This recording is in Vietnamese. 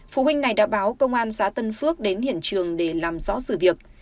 phụ huynh này đã báo công an xã tân phước đến hiện trường để làm rõ sự việc